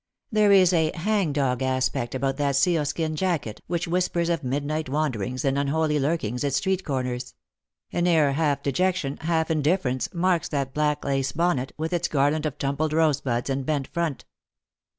There is a hang dog aspect about that sealskin jacket, which whispers of midnight wanderings and unholy lurkings at street corners ; an air half dejection, half indifference, marks that black lace bonnet, with its garland of tumbled rosebuds and bent front.